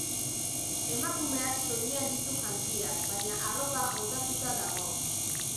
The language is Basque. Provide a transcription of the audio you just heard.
Emakumeak soinean ditu jantziak, baina arropa hondatuta dago.